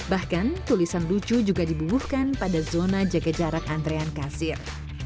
bahkan tulisan lucu juga dibubuhkan pada zona jaga jarak antrean kasir